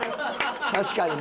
確かにね。